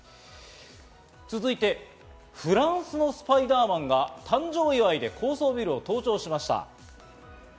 続いて、フランスのスパイダーマンが誕生祝いで高層ビルを登頂しました。